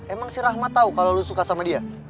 emang si rahmat tau kalo lu suka sama dia